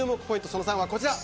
その３はこちら。